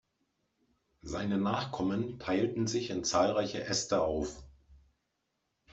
Seine Nachkommen teilten sich in zahlreiche Äste auf.